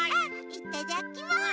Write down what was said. いただきます！